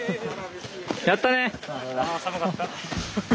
やったね！